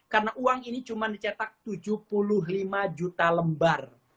karena uang ini cuma dicetak tujuh puluh lima juta lembar